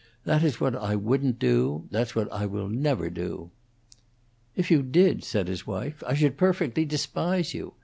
That is what I wouldn't do; that's what I never will do." "If you did," said his wife, "I should perfectly despise you.